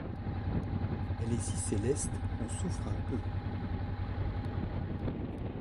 Elle est si céleste qu’on souffre un peu.